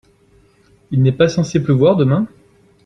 Il n'est pas censé pleuvoir demain ?